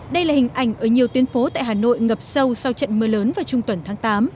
đây là hình ảnh ở nhiều tuyến phố tại hà nội ngập sâu sau trận mưa lớn vào trung tuần tháng tám